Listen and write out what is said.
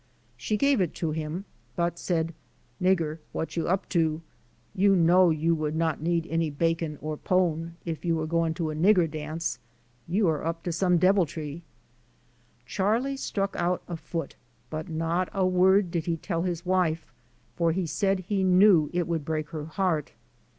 She gave it to him but said, ^* Nigger what you up to? You know you would not need any bacon or pone if you were going to a nigger dance. You are up to some deviltry.'' Charlie struck out afoot, but not a word did he tell his wife for he said he knew it would break her heart.